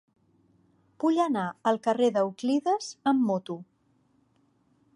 Vull anar al carrer d'Euclides amb moto.